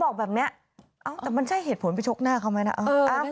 บอกแบบนี้เอ้าแต่มันใช่เหตุผลไปชกหน้าเขาไหมนะ